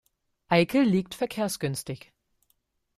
Eickel liegt verkehrsgünstig.